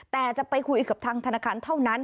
แต่จะไปคุยกับทางธนาคารเท่านั้น